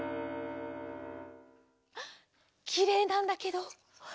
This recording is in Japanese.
きれいなんだけど。